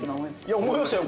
いや思いましたよ！